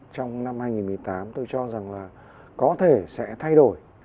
trong năm hai nghìn một mươi tám tôi cho rằng là có thể sẽ thay đổi